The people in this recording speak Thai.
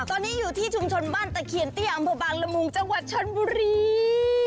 ตอนนี้อยู่ที่ชุมชนบ้านตะเคียนเตี้ยอำเภอบางละมุงจังหวัดชนบุรี